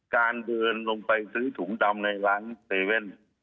การเดินลงไปซื้อถุงดำในร้าน๗๑๑